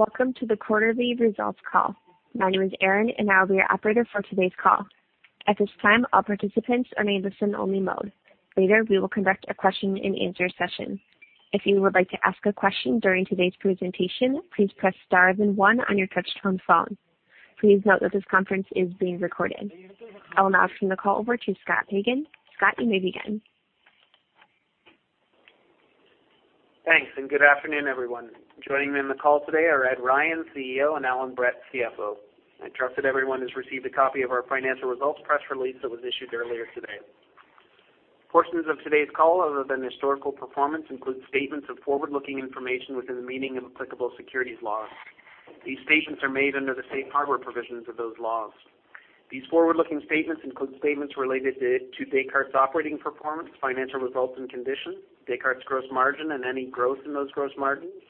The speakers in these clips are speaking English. Welcome to the quarterly results call. My name is Erin, and I'll be your operator for today's call. At this time, all participants are in listen only mode. Later, we will conduct a question and answer session. If you would like to ask a question during today's presentation, please press star then 1 on your touch-tone phone. Please note that this conference is being recorded. I will now turn the call over to Scott Pagan. Scott, you may begin. Thanks, good afternoon, everyone. Joining me on the call today are Ed Ryan, CEO, and Allan Brett, CFO. I trust that everyone has received a copy of our financial results press release that was issued earlier today. Portions of today's call, other than historical performance, include statements of forward-looking information within the meaning of applicable securities laws. These statements are made under the safe harbor provisions of those laws. These forward-looking statements include statements related to Descartes' operating performance, financial results, and conditions, Descartes' gross margin and any growth in those gross margins,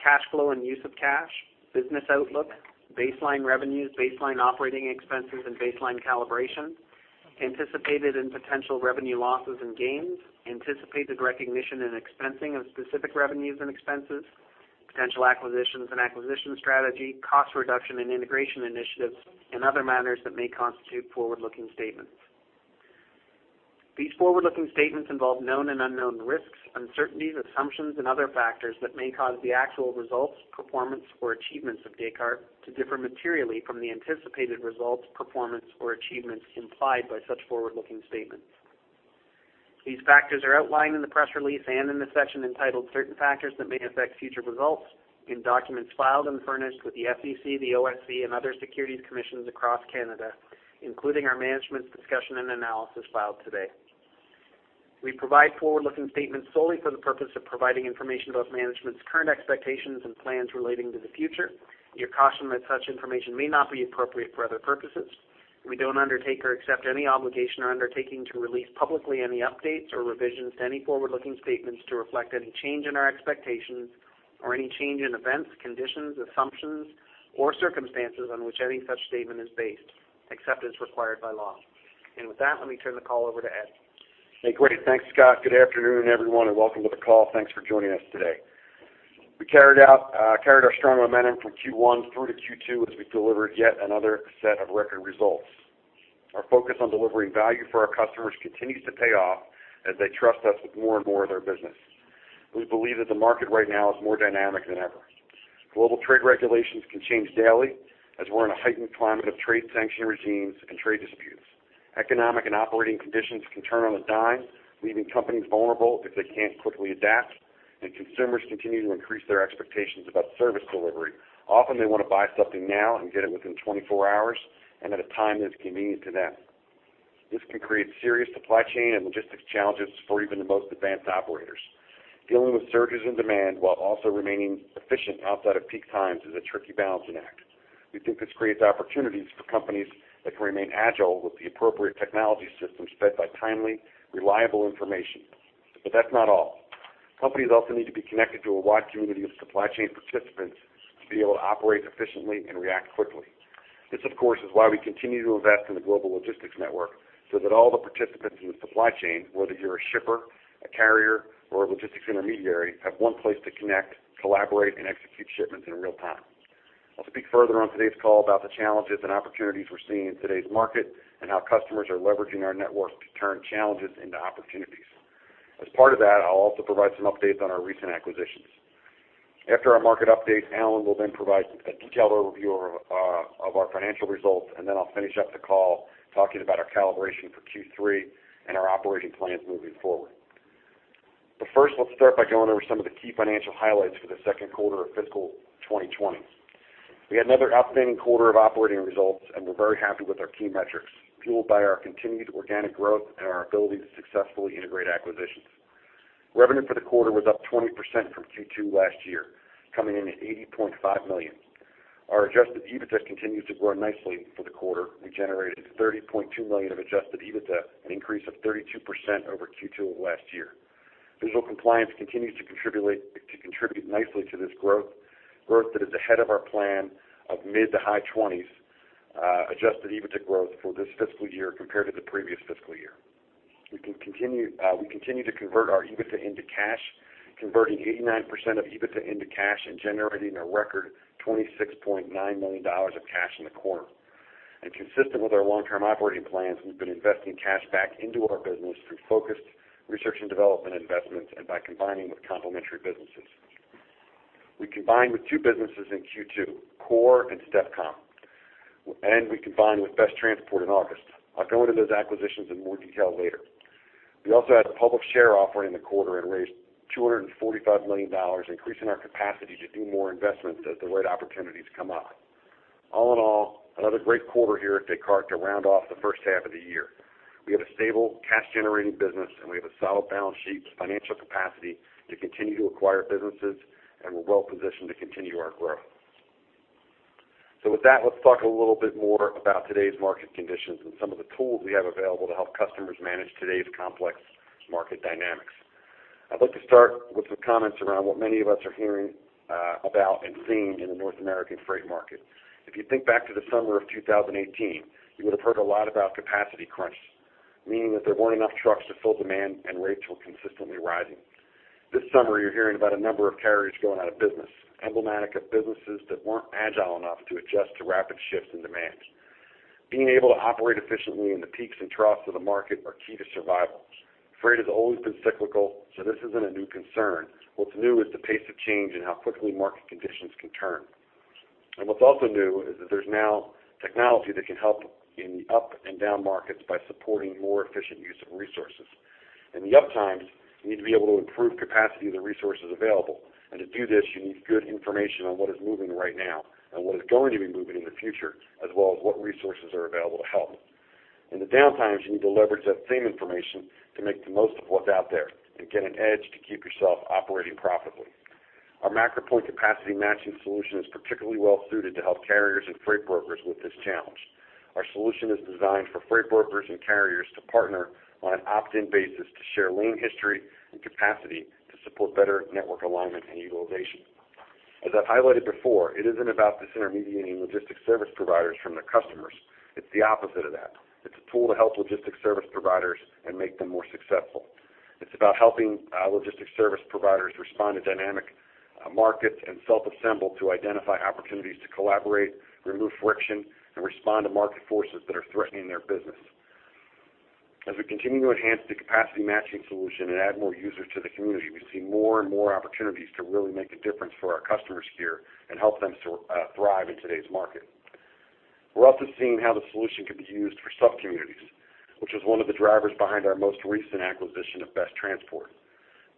cash flow and use of cash, business outlook, baseline revenues, baseline operating expenses, and baseline calibration, anticipated and potential revenue losses and gains, anticipated recognition and expensing of specific revenues and expenses, potential acquisitions and acquisition strategy, cost reduction and integration initiatives, and other matters that may constitute forward-looking statements. These forward-looking statements involve known and unknown risks, uncertainties, assumptions, and other factors that may cause the actual results, performance, or achievements of Descartes to differ materially from the anticipated results, performance, or achievements implied by such forward-looking statements. These factors are outlined in the press release and in the section entitled Certain Factors That May Affect Future Results in documents filed and furnished with the SEC, the OSC, and other securities commissions across Canada, including our management's discussion and analysis filed today. We provide forward-looking statements solely for the purpose of providing information about management's current expectations and plans relating to the future. We caution that such information may not be appropriate for other purposes. We don't undertake or accept any obligation or undertaking to release publicly any updates or revisions to any forward-looking statements to reflect any change in our expectations or any change in events, conditions, assumptions, or circumstances on which any such statement is based, except as required by law. With that, let me turn the call over to Ed. Hey, great. Thanks, Scott. Good afternoon, everyone, and welcome to the call. Thanks for joining us today. We carried our strong momentum from Q1 through to Q2 as we delivered yet another set of record results. Our focus on delivering value for our customers continues to pay off as they trust us with more and more of their business. We believe that the market right now is more dynamic than ever. Global trade regulations can change daily as we're in a heightened climate of trade sanction regimes and trade disputes. Economic and operating conditions can turn on a dime, leaving companies vulnerable if they can't quickly adapt, and consumers continue to increase their expectations about service delivery. Often they want to buy something now and get it within 24 hours and at a time that's convenient to them. This can create serious supply chain and logistics challenges for even the most advanced operators. Dealing with surges in demand while also remaining efficient outside of peak times is a tricky balancing act. We think this creates opportunities for companies that can remain agile with the appropriate technology systems fed by timely, reliable information. That's not all. Companies also need to be connected to a wide community of supply chain participants to be able to operate efficiently and react quickly. This, of course, is why we continue to invest in the Global Logistics Network so that all the participants in the supply chain, whether you're a shipper, a carrier, or a logistics intermediary, have one place to connect, collaborate, and execute shipments in real time. I'll speak further on today's call about the challenges and opportunities we're seeing in today's market and how customers are leveraging our networks to turn challenges into opportunities. As part of that, I'll also provide some updates on our recent acquisitions. After our market update, Allan will provide a detailed overview of our financial results. I'll finish up the call talking about our calibration for Q3 and our operating plans moving forward. First, let's start by going over some of the key financial highlights for the second quarter of fiscal 2020. We had another outstanding quarter of operating results, and we're very happy with our key metrics, fueled by our continued organic growth and our ability to successfully integrate acquisitions. Revenue for the quarter was up 20% from Q2 last year, coming in at $80.5 million. Our adjusted EBITDA continues to grow nicely for the quarter. We generated $30.2 million of adjusted EBITDA, an increase of 32% over Q2 of last year. Digital compliance continues to contribute nicely to this growth. Growth that is ahead of our plan of mid to high 20s adjusted EBITDA growth for this fiscal year compared to the previous fiscal year. We continue to convert our EBITDA into cash, converting 89% of EBITDA into cash and generating a record $26.9 million of cash in the quarter. Consistent with our long-term operating plans, we've been investing cash back into our business through focused research and development investments and by combining with complementary businesses. We combined with two businesses in Q2, Core and STEPcom, and we combined with BestTransport in August. I'll go into those acquisitions in more detail later. We also had a public share offering in the quarter and raised $245 million, increasing our capacity to do more investments as the right opportunities come up. All in all, another great quarter here at Descartes to round off the first half of the year. We have a stable, cash-generating business, and we have a solid balance sheet with financial capacity to continue to acquire businesses, and we're well-positioned to continue our growth. With that, let's talk a little bit more about today's market conditions and some of the tools we have available to help customers manage today's complex market dynamics. I'd like to start with some comments around what many of us are hearing about and seeing in the North American freight market. If you think back to the summer of 2018, you would've heard a lot about capacity crunches. Meaning that there weren't enough trucks to fill demand, and rates were consistently rising. This summer, you're hearing about a number of carriers going out of business, emblematic of businesses that weren't agile enough to adjust to rapid shifts in demand. Being able to operate efficiently in the peaks and troughs of the market are key to survival. Freight has always been cyclical, so this isn't a new concern. What's new is the pace of change and how quickly market conditions can turn. What's also new is that there's now technology that can help in the up and down markets by supporting more efficient use of resources. In the up times, you need to be able to improve capacity of the resources available. To do this, you need good information on what is moving right now and what is going to be moving in the future, as well as what resources are available to help. In the down times, you need to leverage that same information to make the most of what's out there and get an edge to keep yourself operating profitably. Our MacroPoint capacity matching solution is particularly well-suited to help carriers and freight brokers with this challenge. Our solution is designed for freight brokers and carriers to partner on an opt-in basis to share lane history and capacity to support better network alignment and utilization. As I've highlighted before, it isn't about disintermediating logistics service providers from their customers. It's the opposite of that. It's a tool to help logistics service providers and make them more successful. It's about helping logistics service providers respond to dynamic markets and self-assemble to identify opportunities to collaborate, remove friction, and respond to market forces that are threatening their business. As we continue to enhance the capacity matching solution and add more users to the community, we see more and more opportunities to really make a difference for our customers here and help them thrive in today's market. We're also seeing how the solution can be used for sub-communities, which is one of the drivers behind our most recent acquisition of BestTransport.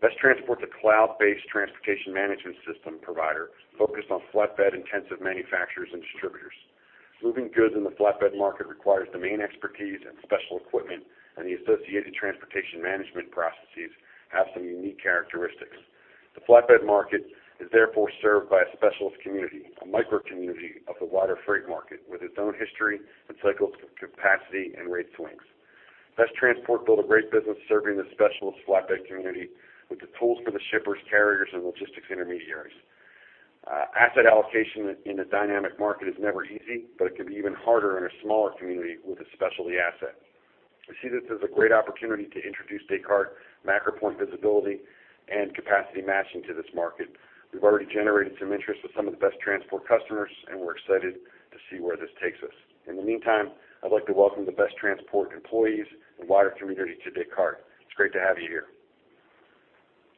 BestTransport is a cloud-based transportation management system provider focused on flatbed-intensive manufacturers and distributors. Moving goods in the flatbed market requires domain expertise and special equipment, and the associated transportation management processes have some unique characteristics. The flatbed market is therefore served by a specialist community, a micro-community of the wider freight market with its own history and cycles of capacity and rate swings. BestTransport built a great business serving the specialist flatbed community with the tools for the shippers, carriers, and logistics intermediaries. Asset allocation in a dynamic market is never easy, but it can be even harder in a smaller community with a specialty asset. We see this as a great opportunity to introduce Descartes, MacroPoint visibility, and capacity matching to this market. We've already generated some interest with some of the BestTransport customers, and we're excited to see where this takes us. In the meantime, I'd like to welcome the BestTransport employees and wider community to Descartes. It's great to have you here.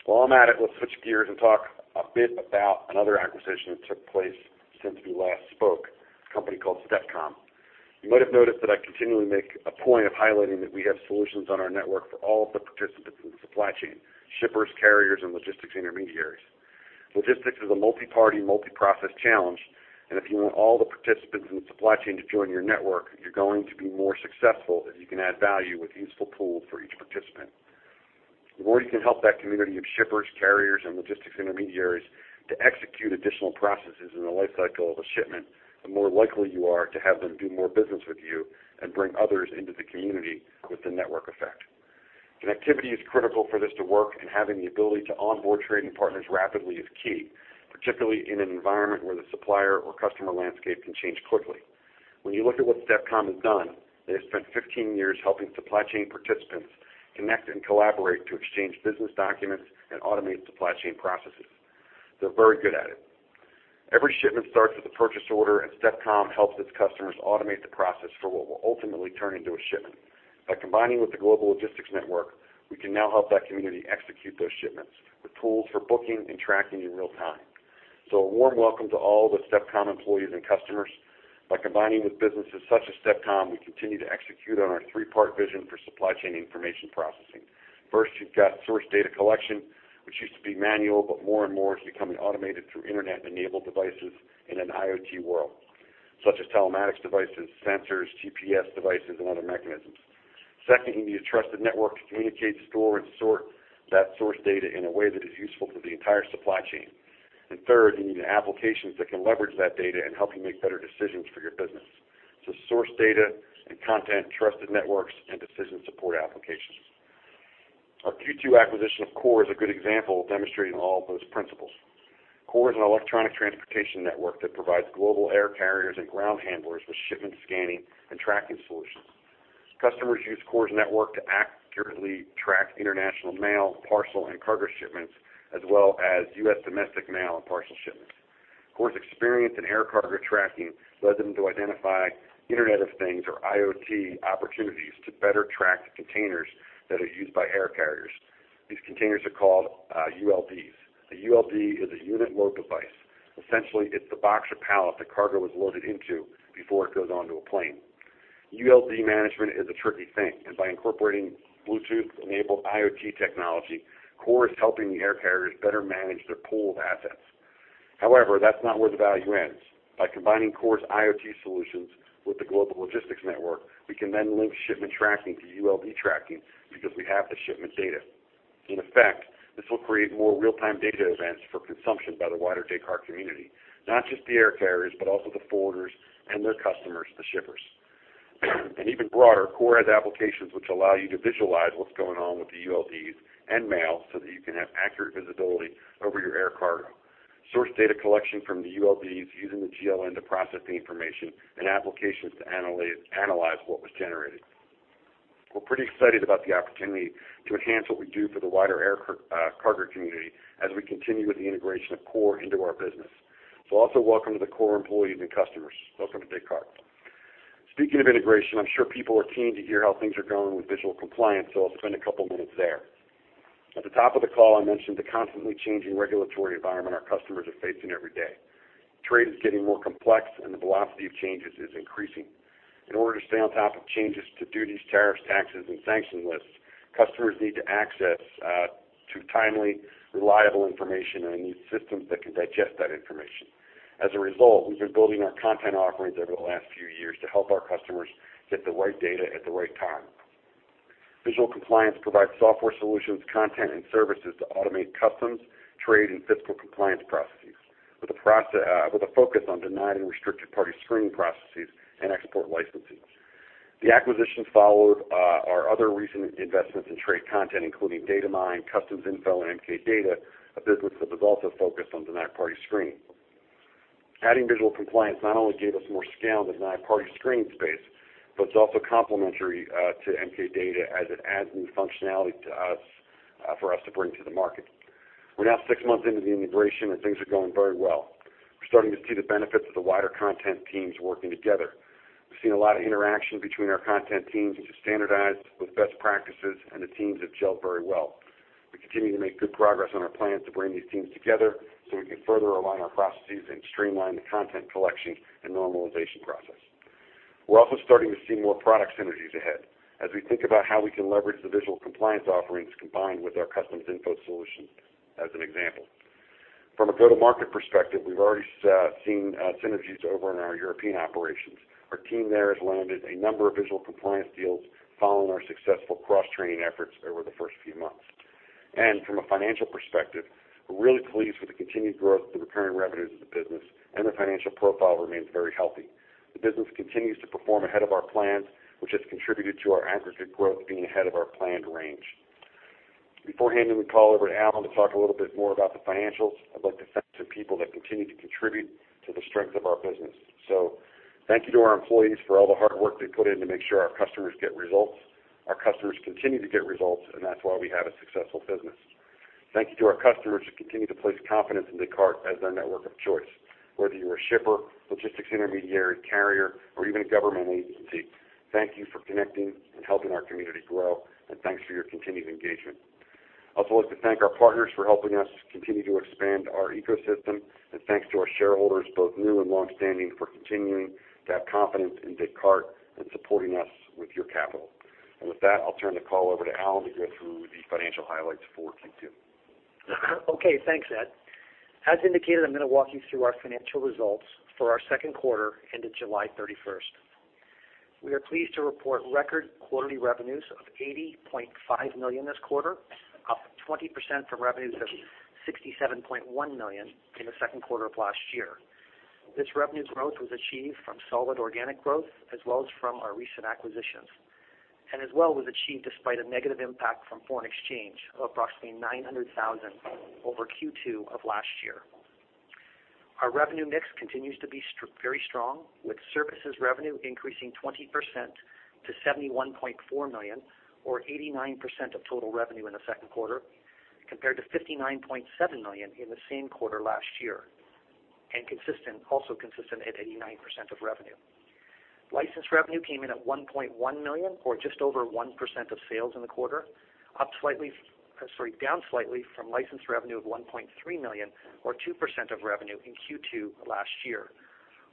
While I'm at it, let's switch gears and talk a bit about another acquisition that took place since we last spoke, a company called STEPcom. You might have noticed that I continually make a point of highlighting that we have solutions on our network for all of the participants in the supply chain, shippers, carriers, and logistics intermediaries. Logistics is a multi-party, multi-process challenge, if you want all the participants in the supply chain to join your network, you're going to be more successful if you can add value with useful tools for each participant. The more you can help that community of shippers, carriers, and logistics intermediaries to execute additional processes in the life cycle of a shipment, the more likely you are to have them do more business with you and bring others into the community with the network effect. Connectivity is critical for this to work, and having the ability to onboard trading partners rapidly is key, particularly in an environment where the supplier or customer landscape can change quickly. When you look at what STEPcom has done, they have spent 15 years helping supply chain participants connect and collaborate to exchange business documents and automate supply chain processes. They're very good at it. Every shipment starts with a purchase order, and STEPcom helps its customers automate the process for what will ultimately turn into a shipment. By combining with the Global Logistics Network, we can now help that community execute those shipments with tools for booking and tracking in real time. A warm welcome to all the STEPcom employees and customers. By combining with businesses such as STEPcom, we continue to execute on our three-part vision for supply chain information processing. First, you've got source data collection, which used to be manual, but more and more is becoming automated through Internet-enabled devices in an IoT world, such as telematics devices, sensors, GPS devices, and other mechanisms. Second, you need a trusted network to communicate, store, and sort that source data in a way that is useful to the entire supply chain. Third, you need applications that can leverage that data and help you make better decisions for your business. Source data and content, trusted networks, and decision support applications. Our Q2 acquisition of Core is a good example of demonstrating all of those principles. Core is an electronic transportation network that provides global air carriers and ground handlers with shipment scanning and tracking solutions. Customers use Core's network to accurately track international mail, parcel, and cargo shipments, as well as U.S. domestic mail and parcel shipments. Core's experience in air cargo tracking led them to identify Internet of Things, or IoT, opportunities to better track the containers that are used by air carriers. These containers are called ULDs. A ULD is a unit load device. Essentially, it's the box or pallet the cargo is loaded into before it goes onto a plane. ULD management is a tricky thing, and by incorporating Bluetooth-enabled IoT technology, Core is helping the air carriers better manage their pool of assets. However, that's not where the value ends. By combining Core's IoT solutions with the Global Logistics Network, we can then link shipment tracking to ULD tracking because we have the shipment data. In effect, this will create more real-time data events for consumption by the wider Descartes community, not just the air carriers, but also the forwarders and their customers, the shippers. Even broader, Core has applications which allow you to visualize what's going on with the ULDs and mail so that you can have accurate visibility over your air cargo. Source data collection from the ULDs using the GLN to process the information and applications to analyze what was generated. We're pretty excited about the opportunity to enhance what we do for the wider air cargo community as we continue with the integration of Core into our business. Also welcome to the Core employees and customers. Welcome to Descartes. Speaking of integration, I'm sure people are keen to hear how things are going with Visual Compliance, so I'll spend a couple of minutes there. At the top of the call, I mentioned the constantly changing regulatory environment our customers are facing every day. Trade is getting more complex, and the velocity of changes is increasing. In order to stay on top of changes to duties, tariffs, taxes, and sanction lists, customers need to access timely, reliable information, and they need systems that can digest that information. We've been building our content offerings over the last few years to help our customers get the right data at the right time. Visual Compliance provides software solutions, content, and services to automate customs, trade, and fiscal compliance processes, with a focus on denied party screening processes and export licensing. The acquisition followed our other recent investments in trade content, including Datamyne, Customs Info, and MK Data, a business that was also focused on denied party screening. Adding Visual Compliance not only gave us more scale in the denied party screening space, but it's also complementary to MK Data as it adds new functionality to us for us to bring to the market. We're now six months into the integration, and things are going very well. We're starting to see the benefits of the wider content teams working together. We've seen a lot of interaction between our content teams as we standardize with best practices, and the teams have gelled very well. We continue to make good progress on our plans to bring these teams together so we can further align our processes and streamline the content collection and normalization process. We're also starting to see more product synergies ahead as we think about how we can leverage the Visual Compliance offerings combined with our Customs Info solution, as an example. From a go-to-market perspective, we've already seen synergies over in our European operations. Our team there has landed a number of Visual Compliance deals following our successful cross-training efforts over the first few months. From a financial perspective, we're really pleased with the continued growth of the recurring revenues of the business, and the financial profile remains very healthy. The business continues to perform ahead of our plans, which has contributed to our aggregate growth being ahead of our planned range. Before handing the call over to Allan to talk a little bit more about the financials, I'd like to thank the people that continue to contribute to the strength of our business. Thank you to our employees for all the hard work they put in to make sure our customers get results. Our customers continue to get results, and that's why we have a successful business. Thank you to our customers who continue to place confidence in Descartes as their network of choice. Whether you're a shipper, logistics intermediary, carrier, or even a government agency, thank you for connecting and helping our community grow, and thanks for your continued engagement. I'd also like to thank our partners for helping us continue to expand our ecosystem, and thanks to our shareholders, both new and longstanding, for continuing to have confidence in Descartes and supporting us with your capital. With that, I'll turn the call over to Allan to go through the financial highlights for Q2. Okay. Thanks, Ed. As indicated, I'm going to walk you through our financial results for our second quarter ended July 31st. We are pleased to report record quarterly revenues of $80.5 million this quarter, up 20% from revenues of $67.1 million in the second quarter of last year. This revenue growth was achieved from solid organic growth as well as from our recent acquisitions, and as well was achieved despite a negative impact from foreign exchange of approximately $900,000 over Q2 of last year. Our revenue mix continues to be very strong, with services revenue increasing 20% to $71.4 million or 89% of total revenue in the second quarter, compared to $59.7 million in the same quarter last year, and also consistent at 89% of revenue. License revenue came in at $1.1 million or just over 1% of sales in the quarter, down slightly from license revenue of $1.3 million or 2% of revenue in Q2 last year.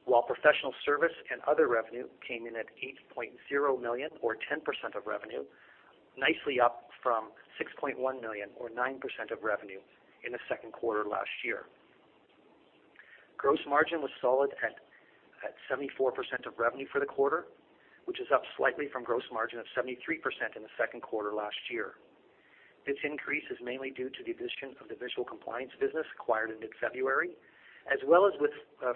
While professional service and other revenue came in at $8.0 million or 10% of revenue, nicely up from $6.1 million or 9% of revenue in the second quarter last year. Gross margin was solid at 74% of revenue for the quarter, which is up slightly from gross margin of 73% in the second quarter last year. This increase is mainly due to the addition of the Visual Compliance business acquired in mid-February, as well as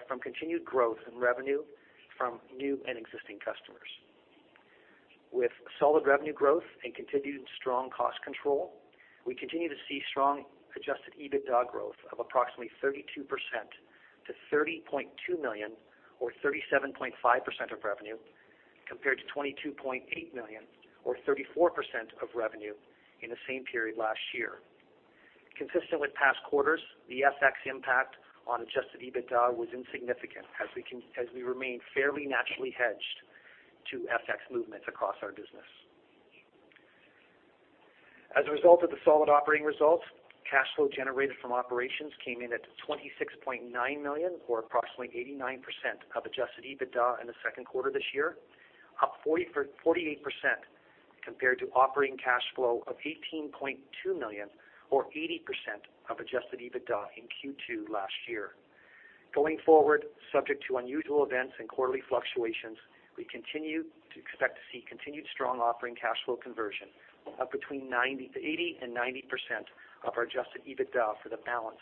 from continued growth in revenue from new and existing customers. With solid revenue growth and continued strong cost control, we continue to see strong adjusted EBITDA growth of approximately 32% to $30.2 million or 37.5% of revenue, compared to $22.8 million or 34% of revenue in the same period last year. Consistent with past quarters, the FX impact on adjusted EBITDA was insignificant as we remain fairly naturally hedged to FX movements across our business. As a result of the solid operating results, cash flow generated from operations came in at $26.9 million or approximately 89% of adjusted EBITDA in the second quarter this year, up 48% compared to operating cash flow of $18.2 million or 80% of adjusted EBITDA in Q2 last year. Going forward, subject to unusual events and quarterly fluctuations, we continue to expect to see continued strong operating cash flow conversion of between 80% and 90% of our adjusted EBITDA for the balance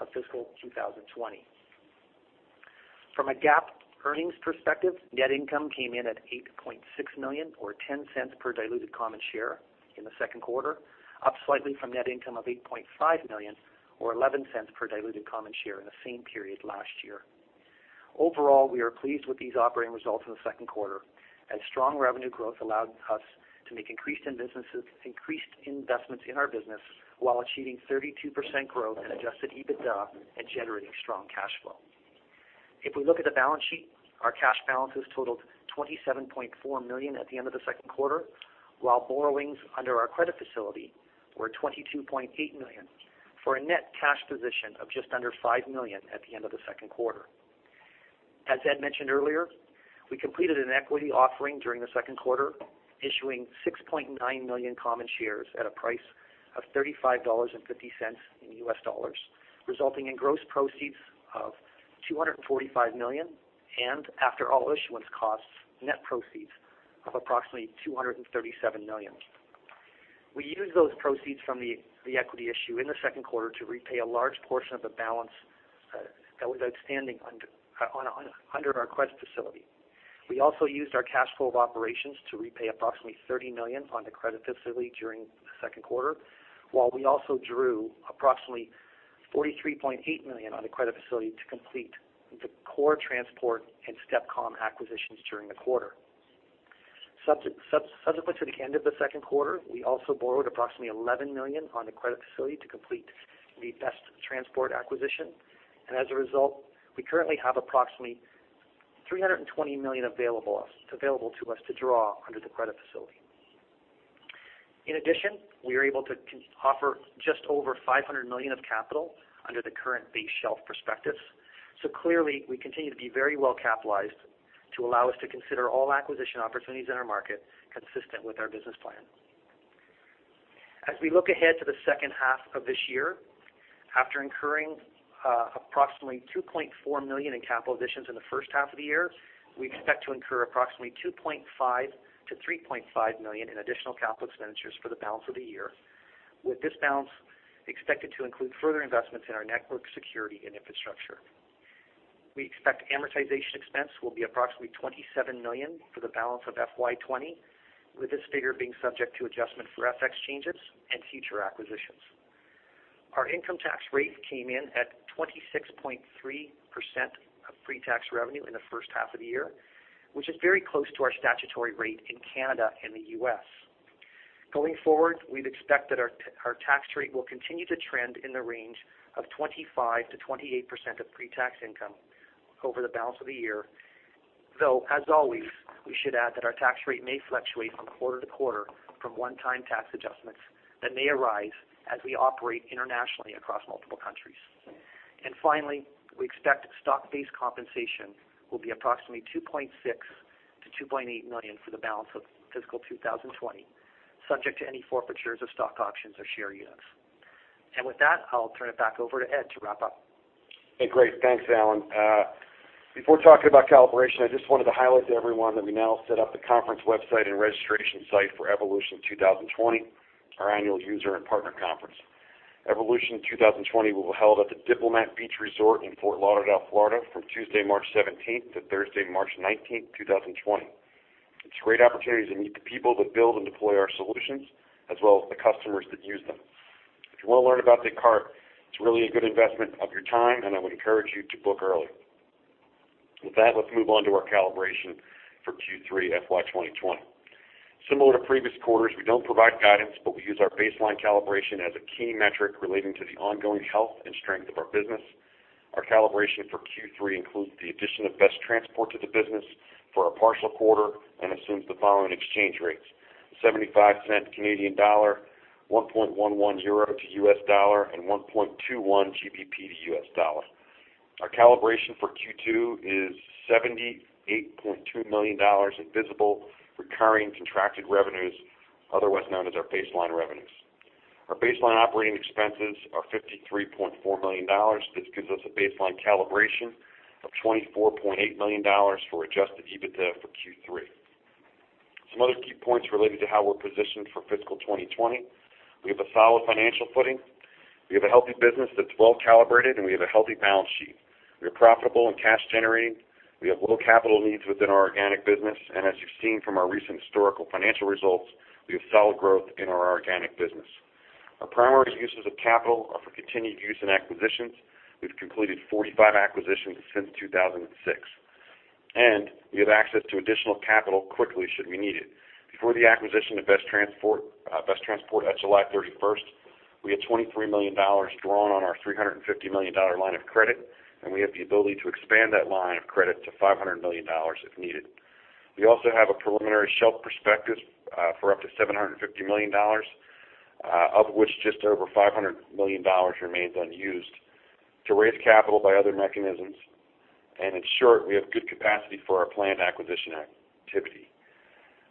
of fiscal 2020. From a GAAP earnings perspective, net income came in at $8.6 million, or $0.10 per diluted common share in the second quarter, up slightly from net income of $8.5 million, or $0.11 per diluted common share in the same period last year. Overall, we are pleased with these operating results in the second quarter, as strong revenue growth allowed us to make increased investments in our business while achieving 32% growth in adjusted EBITDA and generating strong cash flow. If we look at the balance sheet, our cash balances totaled $27.4 million at the end of the second quarter, while borrowings under our credit facility were $22.8 million, for a net cash position of just under $5 million at the end of the second quarter. As Ed mentioned earlier, we completed an equity offering during the second quarter, issuing 6.9 million common shares at a price of $35.50 in US dollars, resulting in gross proceeds of $245 million, and after all issuance costs, net proceeds of approximately $237 million. We used those proceeds from the equity issue in the second quarter to repay a large portion of the balance that was outstanding under our credit facility. We also used our cash flow of operations to repay approximately $30 million on the credit facility during the second quarter. We also drew approximately 43.8 million on the credit facility to complete the Core Transport and STEPcom acquisitions during the quarter. Subsequent to the end of the second quarter, we also borrowed approximately 11 million on the credit facility to complete the BestTransport acquisition. As a result, we currently have approximately 320 million available to us to draw under the credit facility. In addition, we are able to offer just over 500 million of capital under the current base shelf prospectus. Clearly, we continue to be very well capitalized to allow us to consider all acquisition opportunities in our market consistent with our business plan. As we look ahead to the second half of this year, after incurring approximately 2.4 million in capital additions in the first half of the year, we expect to incur approximately 2.5 million-3.5 million in additional capital expenditures for the balance of the year. With this balance expected to include further investments in our network security and infrastructure. We expect amortization expense will be approximately 27 million for the balance of FY 2020, with this figure being subject to adjustment for FX changes and future acquisitions. Our income tax rate came in at 26.3% of pre-tax revenue in the first half of the year, which is very close to our statutory rate in Canada and the U.S. Going forward, we'd expect that our tax rate will continue to trend in the range of 25%-28% of pre-tax income over the balance of the year. Though, as always, we should add that our tax rate may fluctuate from quarter to quarter from one-time tax adjustments that may arise as we operate internationally across multiple countries. Finally, we expect stock-based compensation will be approximately 2.6 million-2.8 million for the balance of fiscal 2020, subject to any forfeitures of stock options or share units. With that, I'll turn it back over to Ed to wrap up. Hey, great. Thanks, Allan. Before talking about calibration, I just wanted to highlight to everyone that we now set up the conference website and registration site for Evolution 2020, our annual user and partner conference. Evolution 2020 will be held at the Diplomat Beach Resort in Fort Lauderdale, Florida, from Tuesday, March 17th to Thursday, March 19th, 2020. It's a great opportunity to meet the people that build and deploy our solutions as well as the customers that use them. If you want to learn about Descartes, it's really a good investment of your time, and I would encourage you to book early. With that, let's move on to our calibration for Q3 FY 2020. Similar to previous quarters, we don't provide guidance, but we use our baseline calibration as a key metric relating to the ongoing health and strength of our business. Our calibration for Q3 includes the addition of BestTransport to the business for a partial quarter and assumes the following exchange rates: 0.75, EUR 1.11 to US dollar, and 1.21 GBP to US dollar. Our calibration for Q2 is $78.2 million in visible, recurring contracted revenues, otherwise known as our baseline revenues. Our baseline operating expenses are $53.4 million. This gives us a baseline calibration of $24.8 million for adjusted EBITDA for Q3. Some other key points related to how we're positioned for fiscal 2020. We have a solid financial footing. We have a healthy business that's well-calibrated, and we have a healthy balance sheet. We are profitable and cash-generating. We have low capital needs within our organic business. As you've seen from our recent historical financial results, we have solid growth in our organic business. Our primary uses of capital are for continued use in acquisitions. We've completed 45 acquisitions since 2006, and we have access to additional capital quickly should we need it. Before the acquisition of BestTransport at July 31st, we had 23 million dollars drawn on our 350 million dollar line of credit, and we have the ability to expand that line of credit to 500 million dollars if needed. We also have a preliminary shelf prospectus for up to 750 million dollars, of which just over 500 million dollars remains unused to raise capital by other mechanisms. In short, we have good capacity for our planned acquisition activity.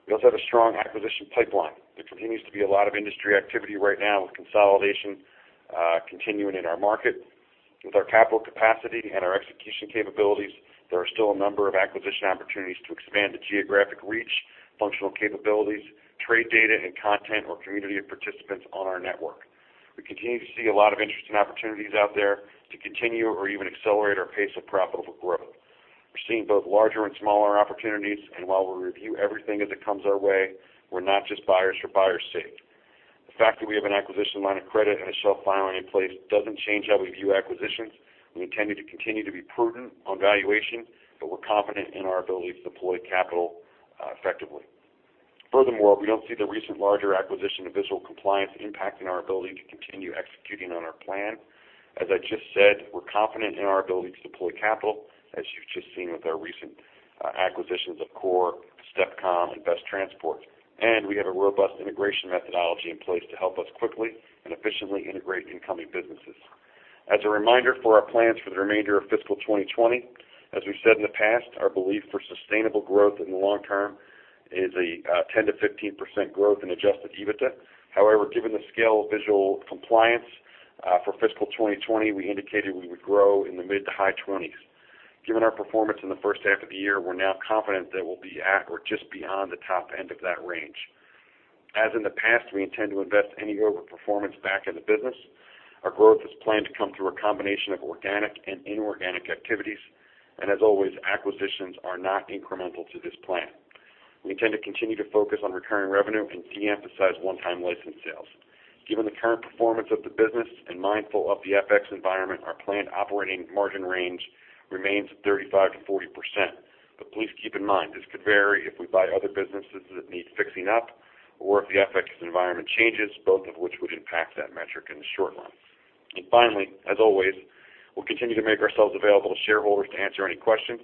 We also have a strong acquisition pipeline. There continues to be a lot of industry activity right now with consolidation continuing in our market. With our capital capacity and our execution capabilities, there are still a number of acquisition opportunities to expand the geographic reach, functional capabilities, trade data and content or community of participants on our network. We continue to see a lot of interesting opportunities out there to continue or even accelerate our pace of profitable growth. We're seeing both larger and smaller opportunities. While we review everything as it comes our way, we're not just buyers for buyer's sake. The fact that we have an acquisition line of credit and a shelf filing in place doesn't change how we view acquisitions. We intended to continue to be prudent on valuation. We're confident in our ability to deploy capital effectively. Furthermore, we don't see the recent larger acquisition of Visual Compliance impacting our ability to continue executing on our plan. As I just said, we're confident in our ability to deploy capital, as you've just seen with our recent acquisitions of Core, STEPcom, and BestTransport. We have a robust integration methodology in place to help us quickly and efficiently integrate incoming businesses. As a reminder for our plans for the remainder of fiscal 2020, as we've said in the past, our belief for sustainable growth in the long term is a 10%-15% growth in adjusted EBITDA. However, given the scale of Visual Compliance for fiscal 2020, we indicated we would grow in the mid to high 20s. Given our performance in the first half of the year, we're now confident that we'll be at or just beyond the top end of that range. As in the past, we intend to invest any over-performance back in the business. Our growth is planned to come through a combination of organic and inorganic activities. As always, acquisitions are not incremental to this plan. We intend to continue to focus on recurring revenue and de-emphasize one-time license sales. Given the current performance of the business and mindful of the FX environment, our planned operating margin range remains 35%-40%. Please keep in mind, this could vary if we buy other businesses that need fixing up or if the FX environment changes, both of which would impact that metric in the short run. Finally, as always, we'll continue to make ourselves available to shareholders to answer any questions.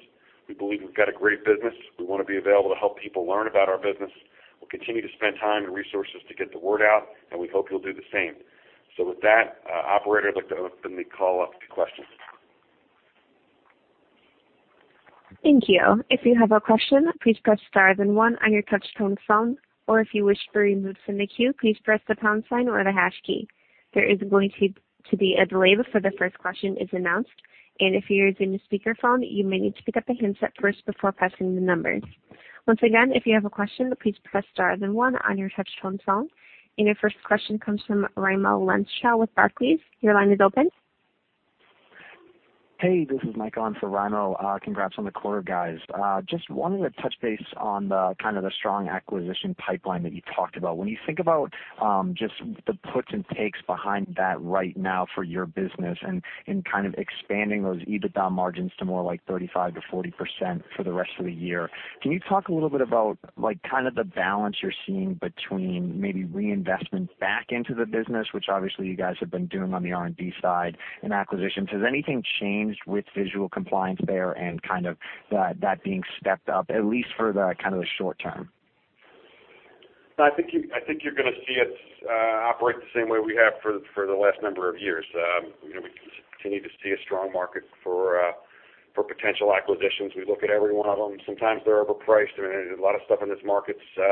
We believe we've got a great business. We want to be available to help people learn about our business. We'll continue to spend time and resources to get the word out, and we hope you'll do the same. With that, operator, I'd like to open the call up to questions. Thank you. If you have a question, please press star then one on your touch-tone phone, or if you wish to remove from the queue, please press the pound sign or the hash key. There is going to be a delay before the first question is announced. If you're using a speakerphone, you may need to pick up the handset first before pressing the numbers. Once again, if you have a question, please press star then one on your touch-tone phone. Your first question comes from Raimo Lenschow with Barclays. Your line is open. Hey, this is Mike on for Raimo. Congrats on the quarter, guys. Just wanted to touch base on the strong acquisition pipeline that you talked about. When you think about just the puts and takes behind that right now for your business and in kind of expanding those EBITDA margins to more like 35%-40% for the rest of the year, can you talk a little bit about the balance you're seeing between maybe reinvestments back into the business, which obviously you guys have been doing on the R&D side in acquisitions. Has anything changed with Visual Compliance there and that being stepped up, at least for the short term? I think you're going to see us operate the same way we have for the last number of years. We continue to see a strong market for potential acquisitions. We look at every one of them. Sometimes they're overpriced. A lot of stuff in this market is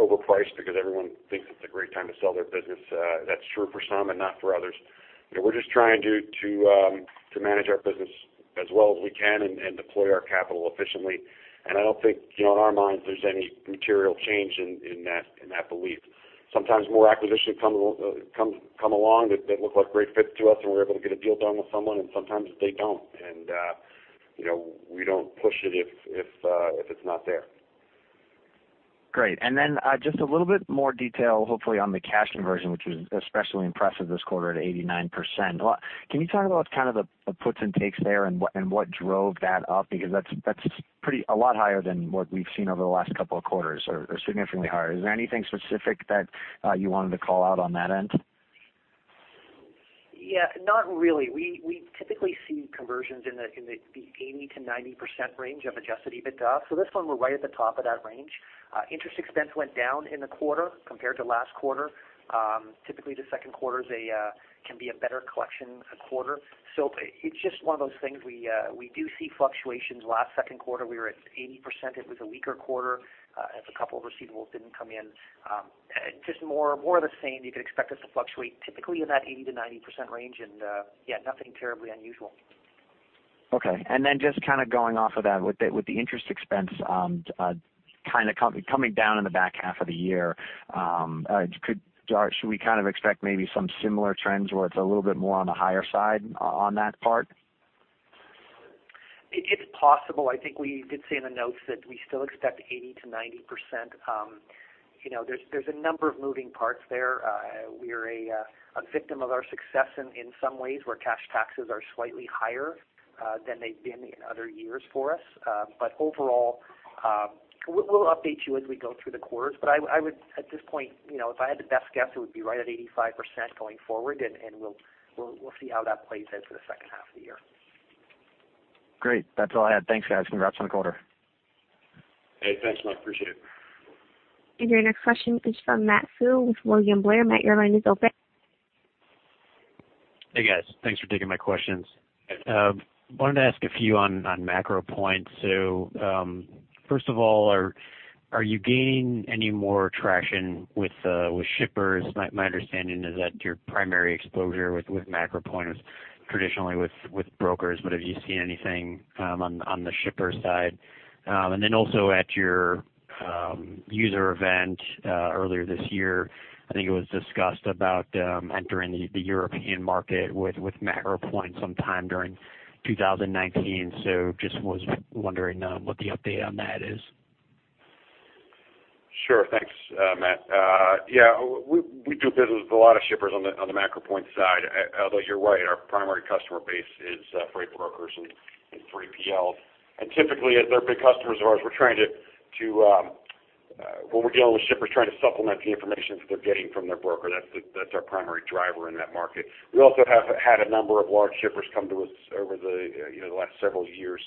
overpriced because everyone thinks it's a great time to sell their business. That's true for some and not for others. We're just trying to manage our business as well as we can and deploy our capital efficiently. I don't think, in our minds, there's any material change in that belief. Sometimes more acquisitions come along that look like great fits to us, and we're able to get a deal done with someone, and sometimes they don't. We don't push it if it's not there. Great. Just a little bit more detail, hopefully, on the cash conversion, which was especially impressive this quarter at 89%. Can you talk about the puts and takes there and what drove that up? That's a lot higher than what we've seen over the last couple of quarters, or significantly higher. Is there anything specific that you wanted to call out on that end? Not really. We typically see conversions in the 80%-90% range of adjusted EBITDA. This one, we're right at the top of that range. Interest expense went down in the quarter compared to last quarter. Typically, the second quarter can be a better collection quarter. It's just one of those things. We do see fluctuations. Last second quarter, we were at 80%. It was a weaker quarter as a couple of receivables didn't come in. Just more of the same. You could expect us to fluctuate typically in that 80%-90% range. Nothing terribly unusual. Okay. Just going off of that, with the interest expense coming down in the back half of the year, should we expect maybe some similar trends where it's a little bit more on the higher side on that part? It's possible. I think we did say in the notes that we still expect 80%-90%. There's a number of moving parts there. We're a victim of our success in some ways, where cash taxes are slightly higher than they've been in other years for us. But overall, we'll update you as we go through the quarters. But at this point, if I had to best guess, it would be right at 85% going forward, and we'll see how that plays in for the second half of the year. Great. That's all I had. Thanks, guys. Congrats on the quarter. Hey, thanks, Mike. Appreciate it. Your next question is from Matt Pfau with William Blair. Matt, your line is open. Hey, guys. Thanks for taking my questions. Wanted to ask a few on MacroPoint. First of all, are you gaining any more traction with shippers? My understanding is that your primary exposure with MacroPoint was traditionally with brokers, but have you seen anything on the shipper side? At your user event earlier this year, I think it was discussed about entering the European market with MacroPoint sometime during 2019. Just was wondering what the update on that is. Sure. Thanks, Matt. Yeah, we do business with a lot of shippers on the MacroPoint side, although you're right, our primary customer base is freight brokers and 3PLs. Typically, as they're big customers of ours, when we're dealing with shippers trying to supplement the information that they're getting from their broker, that's our primary driver in that market. We also have had a number of large shippers come to us over the last several years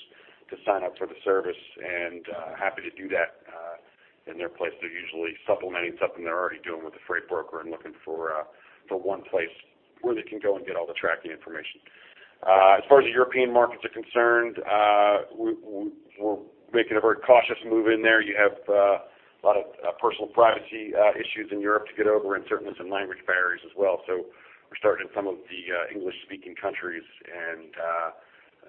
to sign up for the service, and happy to do that in their place. They're usually supplementing something they're already doing with a freight broker and looking for the one place where they can go and get all the tracking information. As far as the European markets are concerned, we're making a very cautious move in there. You have a lot of personal privacy issues in Europe to get over and certainly some language barriers as well. We're starting in some of the English-speaking countries and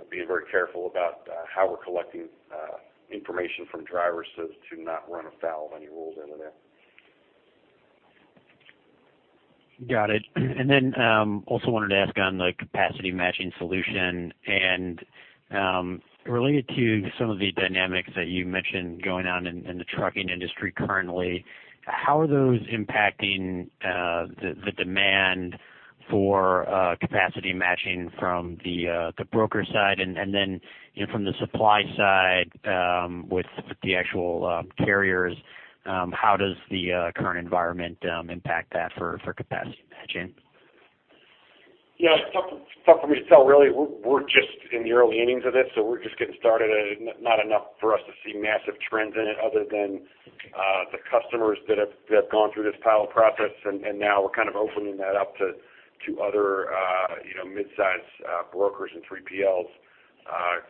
being very careful about how we're collecting information from drivers so as to not run afoul of any rules over there. Got it. Also wanted to ask on the capacity matching solution and, related to some of the dynamics that you mentioned going on in the trucking industry currently, how are those impacting the demand for capacity matching from the broker side? From the supply side, with the actual carriers, how does the current environment impact that for capacity matching? Yeah, it's tough for me to tell, really. We're just in the early innings of this, so we're just getting started and not enough for us to see massive trends in it other than the customers that have gone through this pilot process. Now we're opening that up to other midsize brokers and 3PLs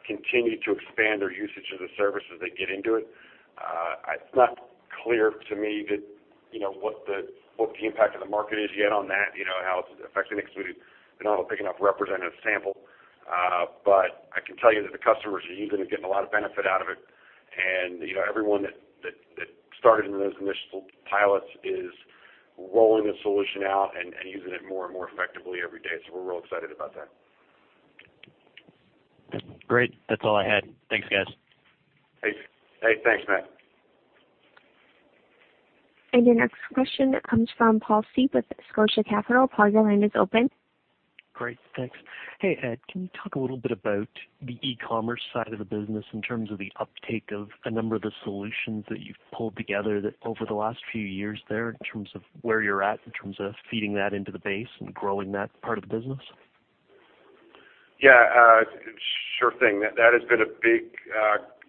continue to expand their usage of the service as they get into it. It's not clear to me what the impact of the market is yet on that, how it's affecting things. We're not picking up a representative sample. I can tell you that the customers are using it and getting a lot of benefit out of it. Everyone that started in those initial pilots is rolling the solution out and using it more and more effectively every day. We're real excited about that. Great. That's all I had. Thanks, guys. Hey. Thanks, Matt. Your next question comes from Paul Seep with Scotia Capital. Paul, your line is open. Great. Thanks. Hey, Ed, can you talk a little bit about the e-commerce side of the business in terms of the uptake of a number of the solutions that you've pulled together over the last few years there in terms of where you're at, in terms of feeding that into the base and growing that part of the business? Yeah, sure thing.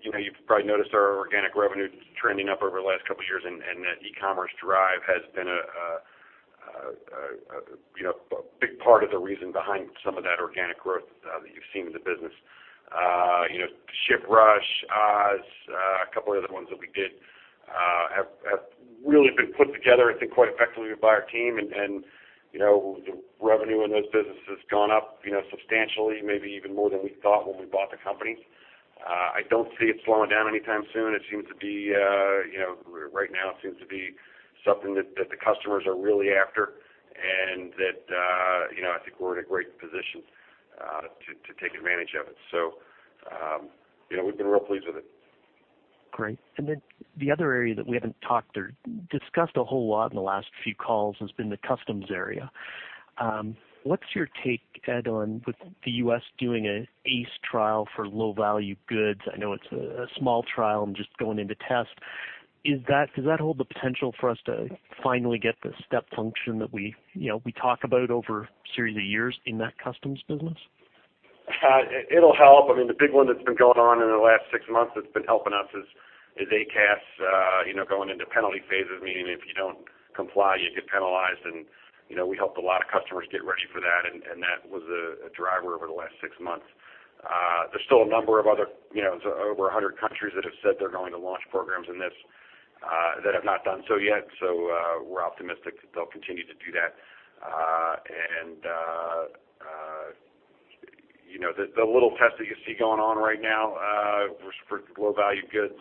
You've probably noticed our organic revenue trending up over the last couple of years. That e-commerce drive has been a big part of the reason behind some of that organic growth that you've seen in the business. ShipRush, OzLink, a couple of other ones that we did, have really been put together, I think, quite effectively by our team. The revenue in those businesses has gone up substantially, maybe even more than we thought when we bought the company. I don't see it slowing down anytime soon. Right now it seems to be something that the customers are really after, and that I think we're in a great position to take advantage of it. We've been real pleased with it. Great. The other area that we haven't talked or discussed a whole lot in the last few calls has been the customs area. What's your take, Ed, on with the U.S. doing an ACE trial for low-value goods? I know it's a small trial and just going into test. Does that hold the potential for us to finally get the step function that we talk about over a series of years in that customs business? It'll help. I mean, the big one that's been going on in the last six months that's been helping us is ACAS going into penalty phases, meaning if you don't comply, you get penalized. We helped a lot of customers get ready for that, and that was a driver over the last six months. There's still a number of other, over 100 countries that have said they're going to launch programs in this that have not done so yet. We're optimistic that they'll continue to do that. The little test that you see going on right now for low-value goods,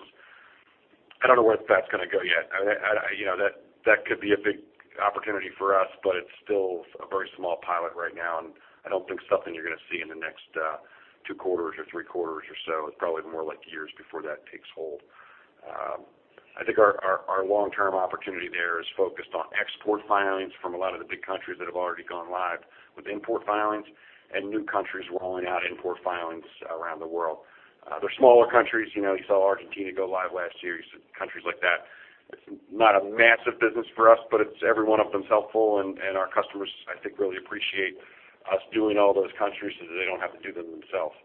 I don't know where that's going to go yet. That could be a big opportunity for us, but it's still a very small pilot right now, and I don't think something you're going to see in the next two quarters or three quarters or so. It's probably more like years before that takes hold. I think our long-term opportunity there is focused on export filings from a lot of the big countries that have already gone live with import filings and new countries rolling out import filings around the world. They're smaller countries. You saw Argentina go live last year. Countries like that. It's not a massive business for us, but it's every one of them is helpful, and our customers, I think, really appreciate us doing all those countries so that they don't have to do them themselves.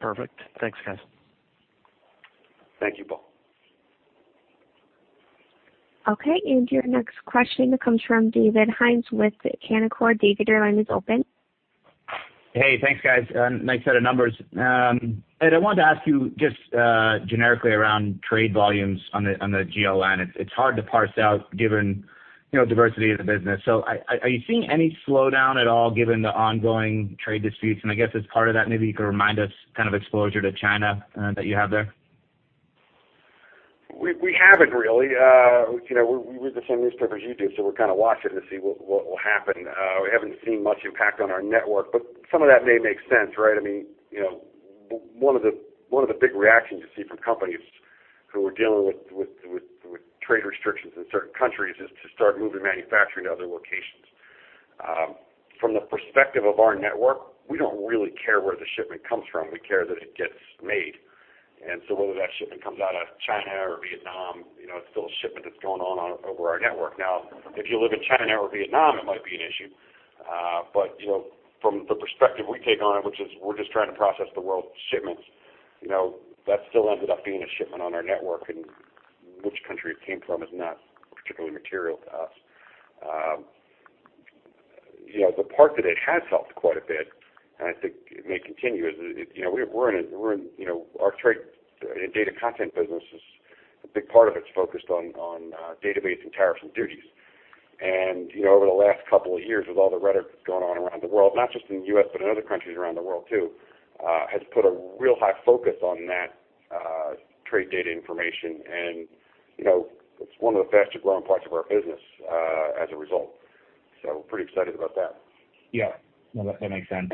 Perfect. Thanks, guys. Thank you, Paul. Okay, your next question comes from David Hynes with Canaccord. David, your line is open. Hey, thanks, guys. Nice set of numbers. Ed, I wanted to ask you just generically around trade volumes on the GLN. It is hard to parse out given diversity of the business. Are you seeing any slowdown at all given the ongoing trade disputes? I guess as part of that, maybe you could remind us exposure to China that you have there. We haven't really. We read the same newspaper as you do, we're kind of watching to see what will happen. We haven't seen much impact on our network, some of that may make sense, right? One of the big reactions you see from companies who are dealing with trade restrictions in certain countries is to start moving manufacturing to other locations. From the perspective of our network, we don't really care where the shipment comes from. We care that it gets made. Whether that shipment comes out of China or Vietnam, it's still a shipment that's going on over our network. Now, if you live in China or Vietnam, it might be an issue. From the perspective we take on it, which is we're just trying to process the world's shipments, that still ended up being a shipment on our network, and which country it came from is not particularly material to us. The part that it has helped quite a bit, and I think it may continue, is our trade and data content business, a big part of it's focused on database and tariffs and duties. Over the last couple of years, with all the rhetoric going on around the world, not just in the U.S., but in other countries around the world too, has put a real high focus on that trade data information. It's one of the fastest-growing parts of our business as a result. Pretty excited about that. Yeah. No, that makes sense.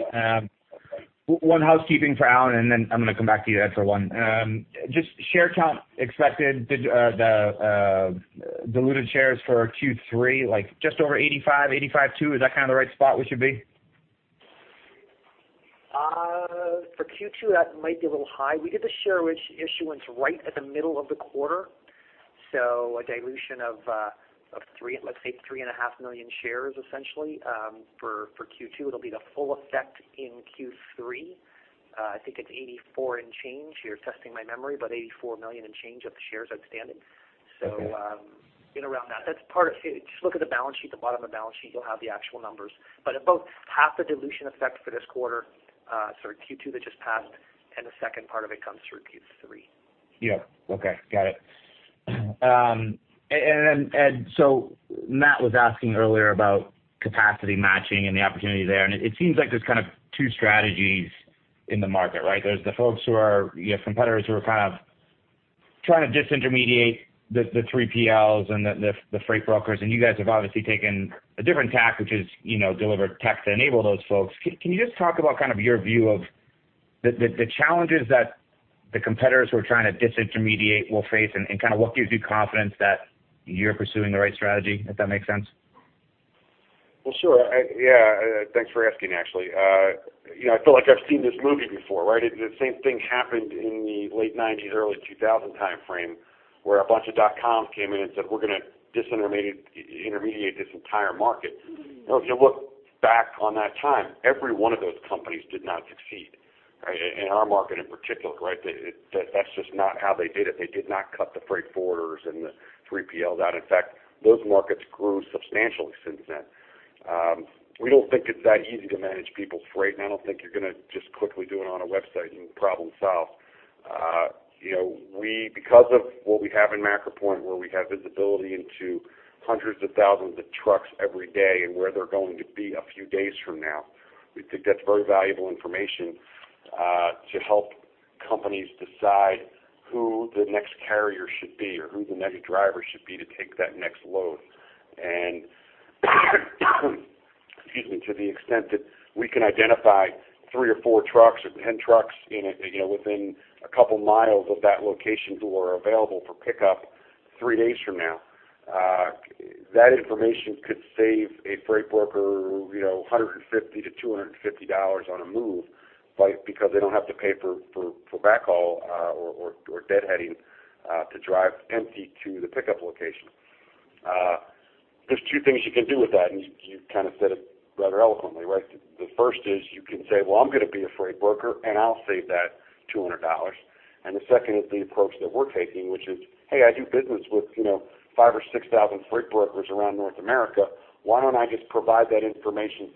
One housekeeping for Allan, and then I'm going to come back to you, Ed, for one. Just share count expected, the diluted shares for Q3, like just over 85.2, is that the right spot we should be? For Q2, that might be a little high. We did the share issuance right at the middle of the quarter. A dilution of let's say 3.5 million shares essentially, for Q2. It'll be the full effect in Q3. I think it's 84 million and change. You're testing my memory, but 84 million and change of the shares outstanding. Okay. In around that. Just look at the balance sheet, the bottom of the balance sheet, you'll have the actual numbers. About half the dilution effect for this quarter, sorry, Q2 that just passed, and the second part of it comes through Q3. Yeah. Okay. Got it. Matt was asking earlier about capacity matching and the opportunity there, and it seems like there's two strategies in the market, right? There's the folks who are competitors who are trying to disintermediate the 3PLs and the freight brokers, and you guys have obviously taken a different tack, which is deliver tech to enable those folks. Can you just talk about your view of the challenges that the competitors who are trying to disintermediate will face and what gives you confidence that you're pursuing the right strategy? If that makes sense. Well, sure. Yeah. Thanks for asking, actually. I feel like I've seen this movie before, right. The same thing happened in the late 1990s, early 2000 timeframe, where a bunch of dot-coms came in and said, "We're going to disintermediate this entire market." If you look back on that time, every one of those companies did not succeed, right. In our market in particular, right. That's just not how they did it. They did not cut the freight forwarders and the 3PLs out. In fact, those markets grew substantially since then. We don't think it's that easy to manage people's freight, and I don't think you're going to just quickly do it on a website and problem solved. Because of what we have in MacroPoint, where we have visibility into hundreds of thousands of trucks every day and where they're going to be a few days from now, we think that's very valuable information, to help companies decide who the next carrier should be or who the next driver should be to take that next load. Excuse me, to the extent that we can identify three or four trucks or 10 trucks within a couple of miles of that location who are available for pickup three days from now, that information could save a freight broker GBP 150-GBP 250 on a move because they don't have to pay for backhaul or deadheading to drive empty to the pickup location. There's two things you can do with that, you kind of said it rather eloquently, right? The first is you can say, "Well, I'm going to be a freight broker, and I'll save that GBP 200." The second is the approach that we're taking, which is, "Hey, I do business with 5,000 or 6,000 freight brokers around North America. Why don't I just provide that information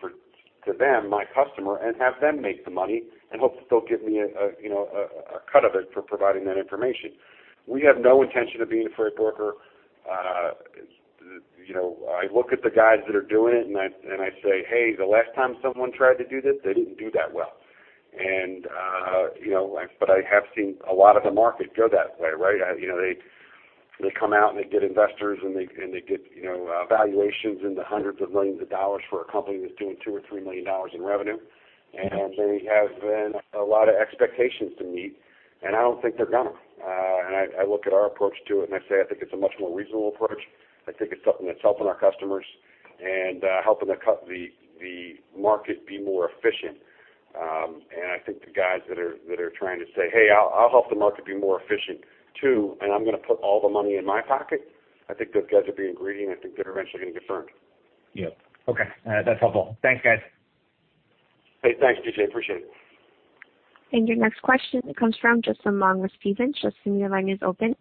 to them, my customer, and have them make the money and hope that they'll give me a cut of it for providing that information?" We have no intention of being a freight broker. I look at the guys that are doing it, and I say, "Hey, the last time someone tried to do this, they didn't do that well." I have seen a lot of the market go that way, right? They come out, and they get investors, and they get valuations in the hundreds of millions of dollars for a company that's doing $2 million or $3 million in revenue. They have a lot of expectations to meet, and I don't think they're going to. I look at our approach to it, and I say I think it's a much more reasonable approach. I think it's something that's helping our customers and helping the market be more efficient. I think the guys that are trying to say, "Hey, I'll help the market be more efficient too, and I'm going to put all the money in my pocket," I think those guys are being greedy, and I think they're eventually going to get burned. Yeah. Okay. That's helpful. Thanks, guys. Hey, thanks, PJ. Appreciate it. Your next question comes from Justin Long with Stephens. Justin, your line is open.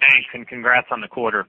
Thanks, congrats on the quarter.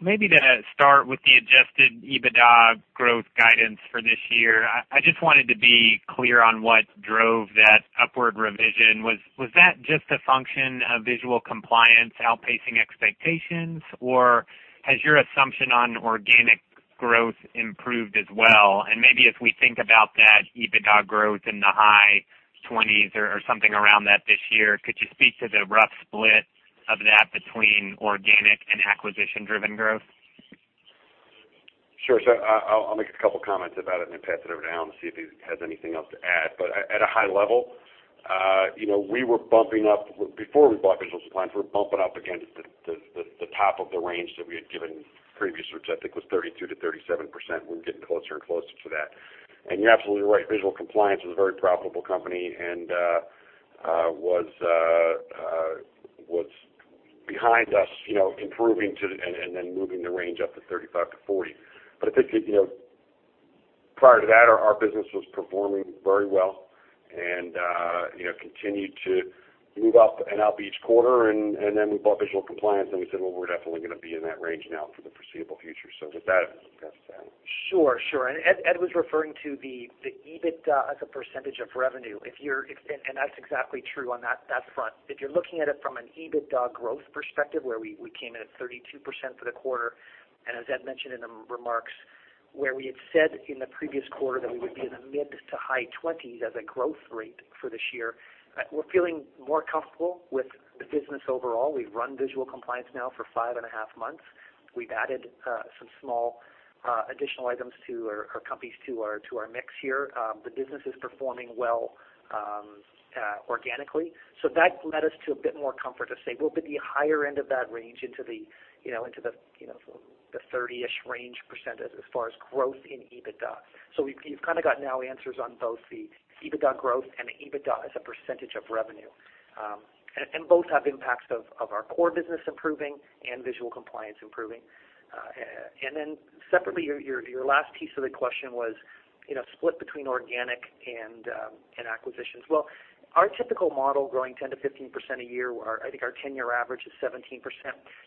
Maybe to start with the adjusted EBITDA growth guidance for this year, I just wanted to be clear on what drove that upward revision. Was that just a function of Visual Compliance outpacing expectations, or has your assumption on organic growth improved as well? Maybe if we think about that EBITDA growth in the high 20s or something around that this year, could you speak to the rough split of that between organic and acquisition-driven growth? Sure. I'll make a couple comments about it and then pass it over to Allan to see if he has anything else to add. At a high level, before we bought Visual Compliance, we were bumping up against the top of the range that we had given previously, which I think was 32%-37%. We're getting closer and closer to that. You're absolutely right, Visual Compliance was a very profitable company and was behind us improving and then moving the range up to 35%-40%. I think prior to that, our business was performing very well and continued to move up and out each quarter, and then we bought Visual Compliance, and we said, "Well, we're definitely going to be in that range now for the foreseeable future." With that, pass to Allan. Sure. Ed was referring to the EBITDA as a % of revenue. That's exactly true on that front. If you're looking at it from an EBITDA growth perspective, where we came in at 32% for the quarter, and as Ed mentioned in the remarks, where we had said in the previous quarter that we would be in the mid to high 20s as a growth rate for this year, we're feeling more comfortable with the business overall. We've run Visual Compliance now for five and a half months. We've added some small additional companies to our mix here. The business is performing well organically. That led us to a bit more comfort to say we'll be at the higher end of that range into the 30-ish % range as far as growth in EBITDA. You've kind of got now answers on both the EBITDA growth and the EBITDA as a % of revenue. Both have impacts of our core business improving and Visual Compliance improving. Then separately, your last piece of the question was split between organic and acquisitions. Our typical model growing 10%-15% a year, I think our 10-year average is 17%.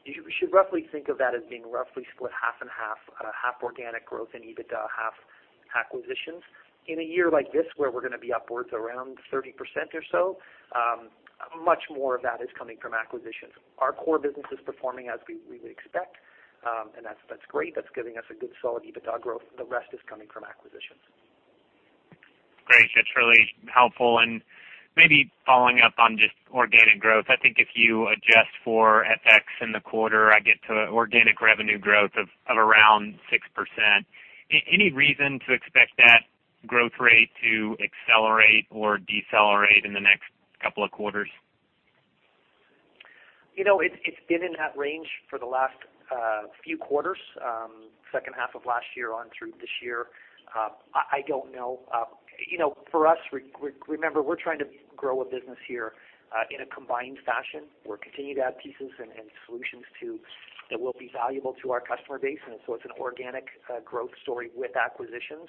You should roughly think of that as being roughly split half and half organic growth in EBITDA, half acquisitions. In a year like this, where we're going to be upwards around 30% or so, much more of that is coming from acquisitions. Our core business is performing as we would expect. That's great. That's giving us a good solid EBITDA growth. The rest is coming from acquisitions. Great. That's really helpful. Maybe following up on just organic growth, I think if you adjust for FX in the quarter, I get to organic revenue growth of around 6%. Any reason to expect that growth rate to accelerate or decelerate in the next couple of quarters? It's been in that range for the last few quarters, second half of last year on through this year. I don't know. For us, remember, we're trying to grow a business here in a combined fashion. We'll continue to add pieces and solutions that will be valuable to our customer base. It's an organic growth story with acquisitions.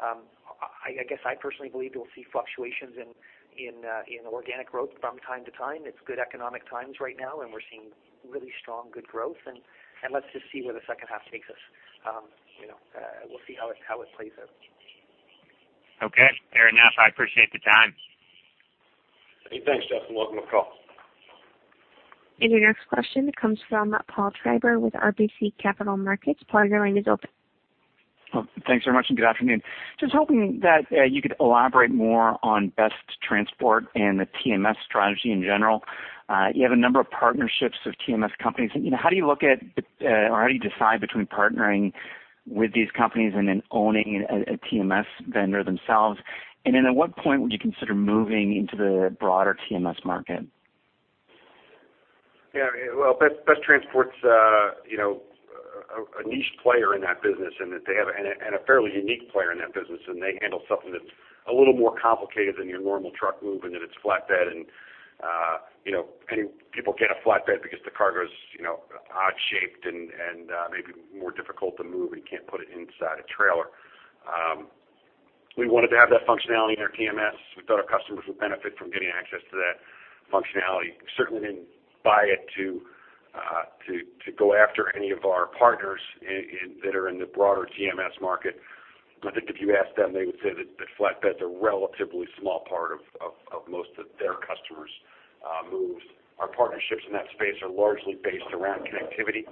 I guess I personally believe you'll see fluctuations in organic growth from time to time. It's good economic times right now. We're seeing really strong, good growth, and let's just see where the second half takes us. We'll see how it plays out. Okay. Fair enough. I appreciate the time. Hey, thanks, Justin. Welcome to the call. Your next question comes from Paul Treiber with RBC Capital Markets. Paul, your line is open. Thanks very much, good afternoon. Just hoping that you could elaborate more on BestTransport and the TMS strategy in general. You have a number of partnerships with TMS companies. How do you decide between partnering with these companies and then owning a TMS vendor themselves? At what point would you consider moving into the broader TMS market? Yeah. Well, BestTransport's a niche player in that business, and a fairly unique player in that business, and they handle something that's a little more complicated than your normal truck move in that it's flatbed, and people get a flatbed because the cargo's odd-shaped and maybe more difficult to move, and you can't put it inside a trailer. We wanted to have that functionality in our TMS. We thought our customers would benefit from getting access to that functionality. Certainly didn't buy it to go after any of our partners that are in the broader TMS market. I think if you ask them, they would say that flatbeds are a relatively small part of most of their customers' moves. Our partnerships in that space are largely based around connectivity.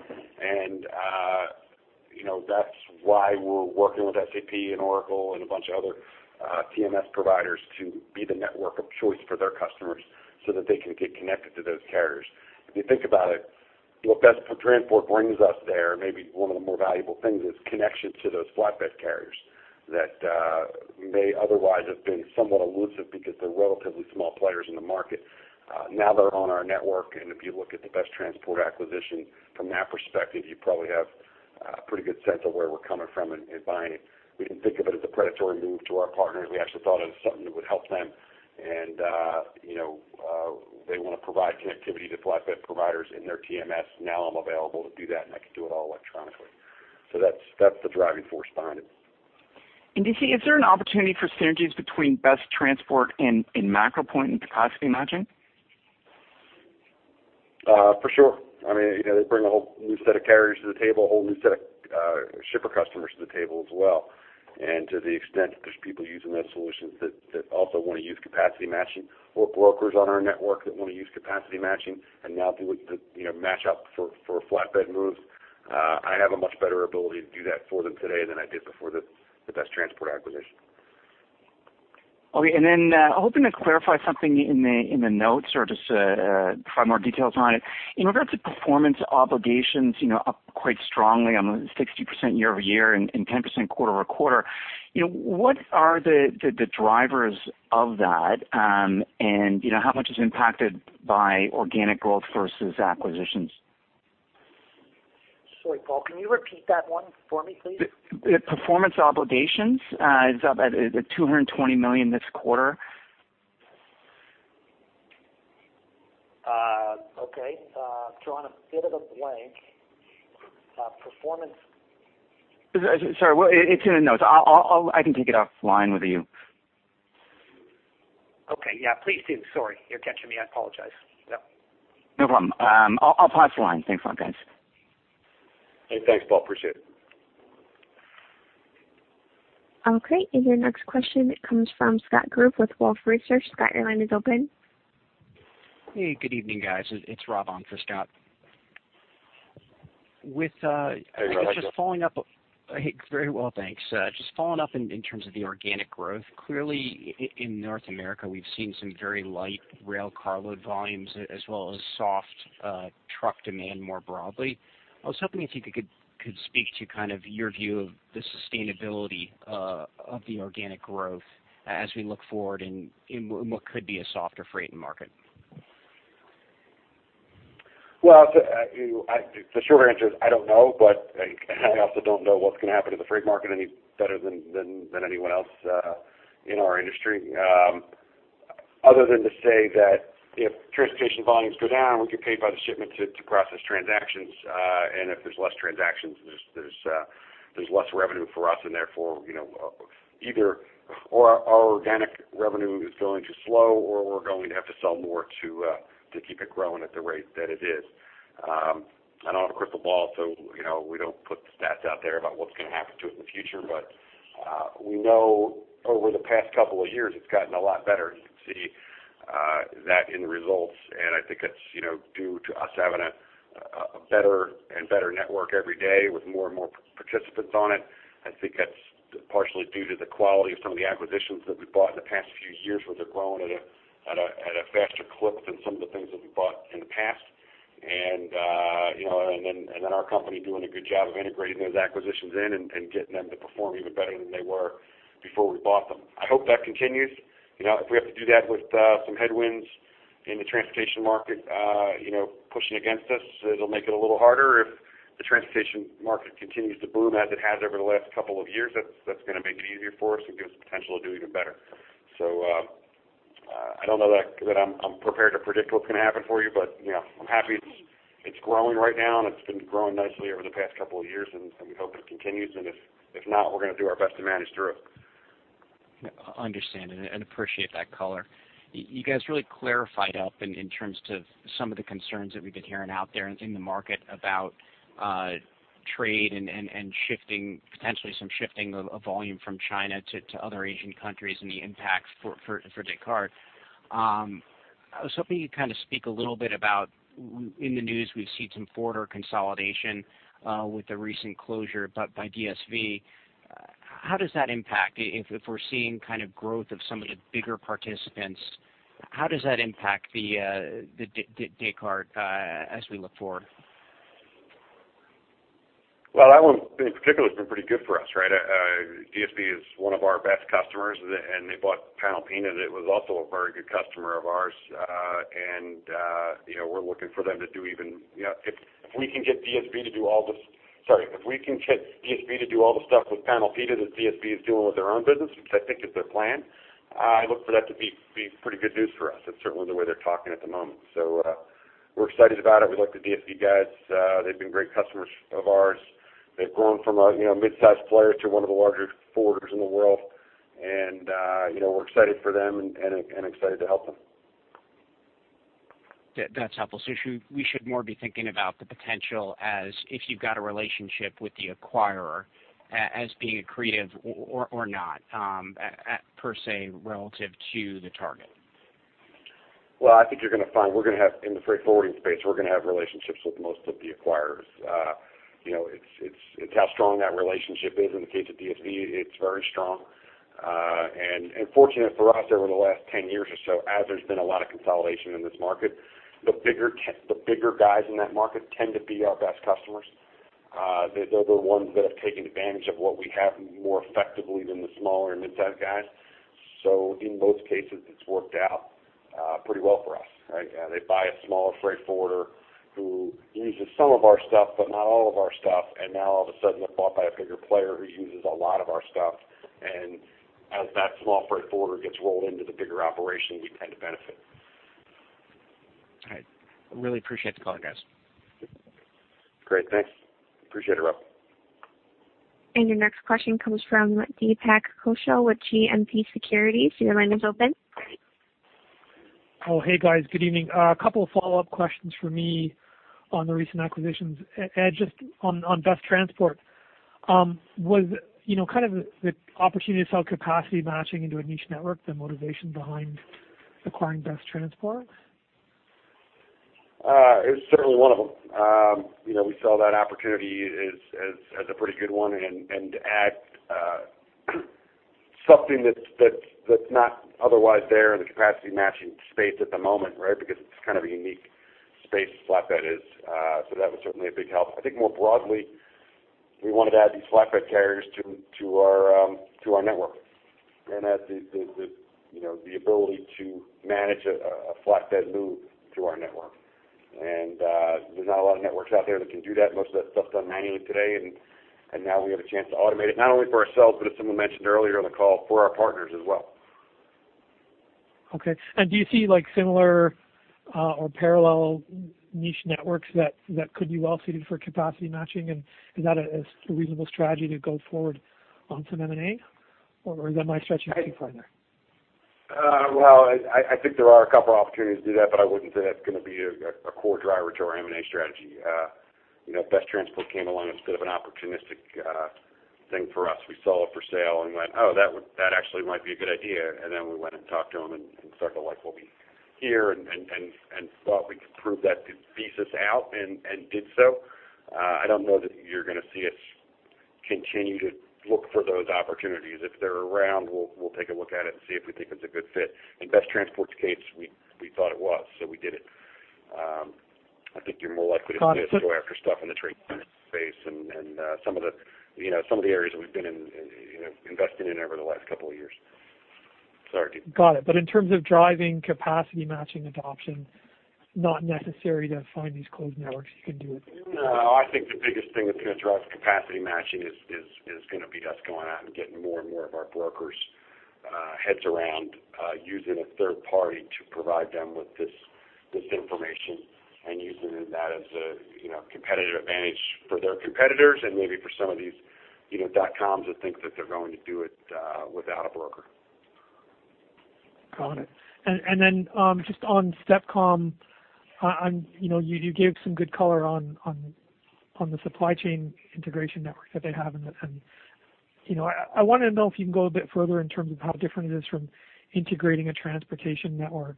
That's why we're working with SAP and Oracle and a bunch of other TMS providers to be the network of choice for their customers so that they can get connected to those carriers. If you think about it, what BestTransport brings us there, maybe one of the more valuable things is connection to those flatbed carriers that may otherwise have been somewhat elusive because they're relatively small players in the market. Now they're on our network, and if you look at the BestTransport acquisition from that perspective, you probably have a pretty good sense of where we're coming from in buying it. We didn't think of it as a predatory move to our partners. We actually thought it was something that would help them. They want to provide connectivity to flatbed providers in their TMS. Now I'm available to do that, and I can do it all electronically. That's the driving force behind it. Do you see, is there an opportunity for synergies between BestTransport and MacroPoint and capacity matching? For sure. They bring a whole new set of carriers to the table, a whole new set of shipper customers to the table as well. To the extent there's people using those solutions that also want to use capacity matching or brokers on our network that want to use capacity matching and now do the match up for flatbed moves, I have a much better ability to do that for them today than I did before the BestTransport acquisition. Okay. Hoping to clarify something in the notes or just find more details on it. In regards to performance obligations, up quite strongly on the 60% year-over-year and 10% quarter-over-quarter. What are the drivers of that? How much is impacted by organic growth versus acquisitions? Sorry, Paul, can you repeat that one for me, please? The performance obligations is up at $220 million this quarter. Okay. Drawing a bit of a blank. Sorry. Well, it's in the notes. I can take it offline with you. Okay. Yeah, please do. Sorry. You are catching me. I apologize. Yep. No problem. I'll pause the line. Thanks a lot, guys. Hey, thanks, Paul. Appreciate it. Okay. Your next question comes from Scott Group with Wolfe Research. Scott, your line is open. Hey, good evening, guys. It's Rob on for Scott. Hey, Rob. How are you? Very well, thanks. Just following up in terms of the organic growth. Clearly, in North America, we've seen some very light rail carload volumes as well as soft truck demand more broadly. I was hoping if you could speak to kind of your view of the sustainability of the organic growth as we look forward in what could be a softer freight market. Well, the short answer is I don't know, but I also don't know what's going to happen to the freight market any better than anyone else in our industry. Other than to say that if transportation volumes go down, we get paid by the shipment to process transactions. If there's less transactions, there's less revenue for us and therefore, either our organic revenue is going to slow or we're going to have to sell more to keep it growing at the rate that it is. I don't have a crystal ball, so we don't put the stats out there about what's going to happen to it in the future. We know over the past couple of years, it's gotten a lot better. You can see that in the results. I think it's due to us having a better and better network every day with more and more participants on it. I think that's partially due to the quality of some of the acquisitions that we've bought in the past few years, where they're growing at a faster clip than some of the things that we bought in the past. Our company doing a good job of integrating those acquisitions in and getting them to perform even better than they were before we bought them. I hope that continues. If we have to do that with some headwinds in the transportation market pushing against us, it'll make it a little harder. If the transportation market continues to boom as it has over the last couple of years, that's going to make it easier for us and give us the potential to do even better. I don't know that I'm prepared to predict what's going to happen for you, but I'm happy it's growing right now, and it's been growing nicely over the past couple of years, and we hope it continues. If not, we're going to do our best to manage through. Understand and appreciate that color. You guys really clarified up in terms of some of the concerns that we've been hearing out there in the market about trade and potentially some shifting of volume from China to other Asian countries and the impact for Descartes. I was hoping you'd kind of speak a little bit about in the news, we've seen some forwarder consolidation with the recent closure by DSV. How does that impact if we're seeing kind of growth of some of the bigger participants? How does that impact Descartes as we look forward? Well, that one in particular has been pretty good for us, right? DSV is one of our best customers, and they bought Panalpina that was also a very good customer of ours. We're looking for them to do if we can get DSV to do all the stuff with Panalpina that DSV is doing with their own business, which I think is their plan, I look for that to be pretty good news for us. That's certainly the way they're talking at the moment. We're excited about it. We like the DSV guys. They've been great customers of ours. They've grown from a mid-sized player to one of the larger forwarders in the world. We're excited for them and excited to help them. That's helpful. We should more be thinking about the potential as if you've got a relationship with the acquirer as being accretive or not, per se, relative to the target? Well, I think you're going to find in the freight forwarding space, we're going to have relationships with most of the acquirers. It's how strong that relationship is. In the case of DSV, it's very strong. Fortunate for us over the last 10 years or so, as there's been a lot of consolidation in this market, the bigger guys in that market tend to be our best customers. They're the ones that have taken advantage of what we have more effectively than the smaller and mid-sized guys. In most cases, it's worked out pretty well for us, right? They buy a smaller freight forwarder who uses some of our stuff, but not all of our stuff, and now all of a sudden, they're bought by a bigger player who uses a lot of our stuff. As that small freight forwarder gets rolled into the bigger operation, we tend to benefit. All right. I really appreciate the call, guys. Great. Thanks. Appreciate it, Rob. Your next question comes from Deepak Kochhar with GMP Securities. Your line is open. Oh, hey guys, good evening. A couple of follow-up questions from me on the recent acquisitions. Ed, just on BestTransport. Was the opportunity to sell capacity matching into a niche network the motivation behind acquiring BestTransport? It was certainly one of them. We saw that opportunity as a pretty good one and add something that's not otherwise there in the Capacity Matching space at the moment, right? It's a unique space, flatbed is, so that was certainly a big help. I think more broadly, we wanted to add these flatbed carriers to our Network and add the ability to manage a flatbed move through our Network. There's not a lot of networks out there that can do that. Most of that stuff's done manually today, and now we have a chance to automate it, not only for ourselves, but as someone mentioned earlier on the call, for our partners as well. Okay. Do you see similar or parallel niche networks that could be well-suited for capacity matching? Is that a reasonable strategy to go forward on some M&A, or am I stretching too far there? Well, I think there are a couple opportunities to do that, but I wouldn't say that's going to be a core driver to our M&A strategy. BestTransport came along as a bit of an opportunistic thing for us. We saw it for sale and went, "Oh, that actually might be a good idea." We went and talked to them and started to like what we hear and thought we could prove that thesis out and did so. I don't know that you're going to see us continue to look for those opportunities. If they're around, we'll take a look at it and see if we think it's a good fit. In BestTransport's case, we thought it was, so we did it. I think you're more likely to see us go after stuff in the trade management space and some of the areas that we've been investing in over the last couple of years. Sorry. Got it. In terms of driving capacity matching adoption, not necessary to find these closed networks, you can do it. I think the biggest thing that's going to drive capacity matching is going to be us going out and getting more and more of our brokers' heads around using a third party to provide them with this information and using that as a competitive advantage for their competitors and maybe for some of these dot coms that think that they're going to do it without a broker. Got it. Just on STEPcom, you gave some good color on the supply chain integration network that they have. I wanted to know if you can go a bit further in terms of how different it is from integrating a transportation network,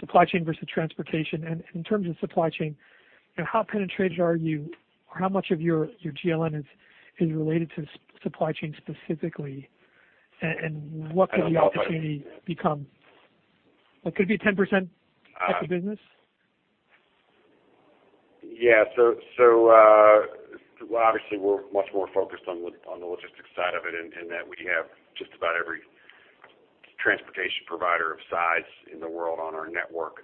supply chain versus transportation. In terms of supply chain, how penetrated are you, or how much of your GLN is related to supply chain specifically? What could the opportunity become? Could it be a 10% type of business? Yeah. Obviously, we're much more focused on the logistics side of it in that we have just about every transportation provider of size in the world on our network.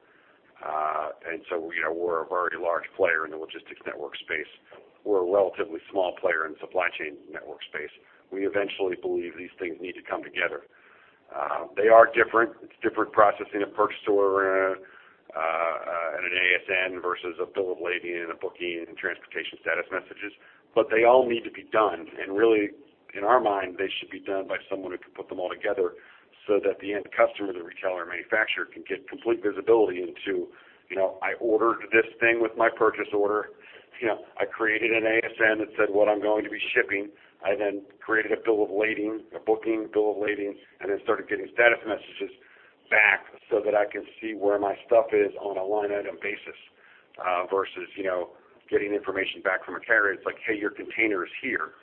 We're a very large player in the logistics network space. We're a relatively small player in the supply chain network space. We eventually believe these things need to come together. They are different. It's different processing a purchase order and an ASN versus a bill of lading and a booking and transportation status messages. They all need to be done, and really, in our mind, they should be done by someone who can put them all together so that the end customer, the retailer, manufacturer, can get complete visibility into, I ordered this thing with my purchase order. I created an ASN that said what I'm going to be shipping. I then created a bill of lading, a booking bill of lading, and then started getting status messages back so that I can see where my stuff is on a line item basis versus getting information back from a carrier. It's like, "Hey, your container is here."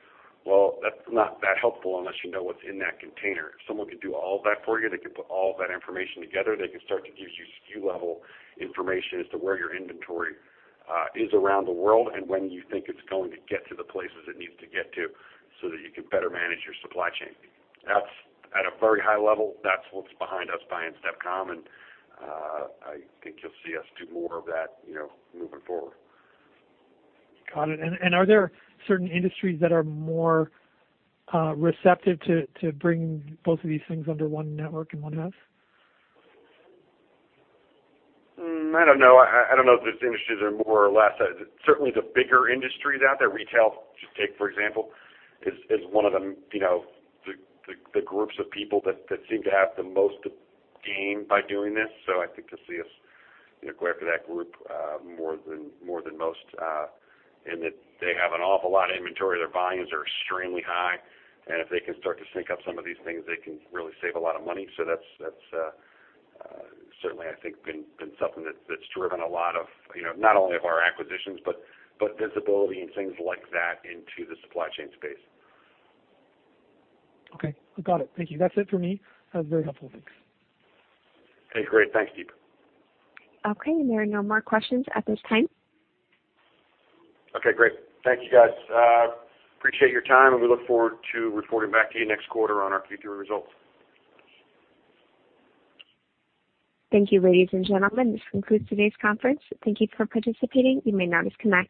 Well, that's not that helpful unless you know what's in that container. If someone can do all of that for you, they can put all of that information together, they can start to give you SKU level information as to where your inventory is around the world and when you think it's going to get to the places it needs to get to so that you can better manage your supply chain. At a very high level, that's what's behind us buying STEPcom, and I think you'll see us do more of that moving forward. Got it. Are there certain industries that are more receptive to bring both of these things under one network in one house? I don't know. I don't know if there's industries that are more or less. Certainly the bigger industries out there, retail, just take, for example, is one of the groups of people that seem to have the most to gain by doing this. I think you'll see us go after that group more than most in that they have an awful lot of inventory. Their volumes are extremely high. If they can start to sync up some of these things, they can really save a lot of money. That's certainly, I think, been something that's driven a lot of, not only of our acquisitions, but visibility and things like that into the supply chain space. Okay. Got it. Thank you. That's it for me. That was very helpful. Thanks. Hey, great. Thanks, Deep. Okay, there are no more questions at this time. Okay, great. Thank you, guys. Appreciate your time, and we look forward to reporting back to you next quarter on our Q3 results. Thank you, ladies and gentlemen. This concludes today's conference. Thank you for participating. You may now disconnect.